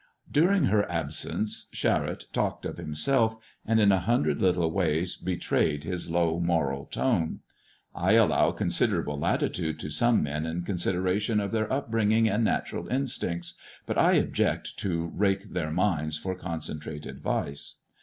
During her absence Charette talked of himself, and in a hundred little ways betrayed his low moral tone. I allow considerable latitude to some men in consideration of their upbringing and natural instincts, but I object to rake their minds for concentrated vice.